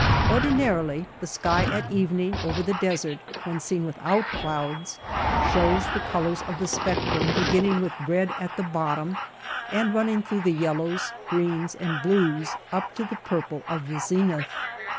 Ordinarily the sky at evening over the desert, when seen without clouds, shows the colors of the spectrum beginning with red at the bottom and running through the yellows, greens, and blues up to the purple of the zenith.